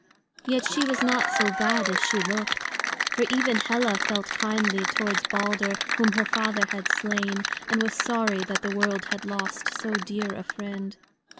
Yet she was not so bad as she looked; for even Hela felt kindly towards Balder, whom her father had slain, and was sorry that the world had lost so dear a friend.